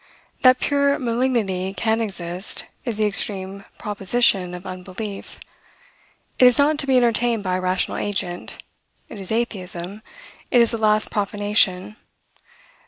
That pure malignity can exist, is the extreme proposition of unbelief. It is not to be entertained by a rational agent; it is atheism; it is the last profanation.